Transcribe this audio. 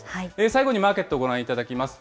最後にマーケットをご覧いただきます。